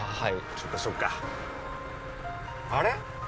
そっかそっかあれ？